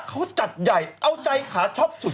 เขาจัดใหญ่เอาใจขาช็อปสุด